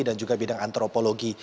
dan juga bidang antropologi